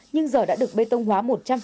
nhưng giờ đã được bê tông hóa một trăm linh